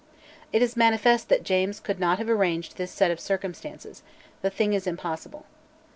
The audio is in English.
It is manifest that James could not have arranged this set of circumstances: the thing is impossible.